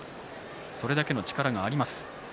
それだけの力があります。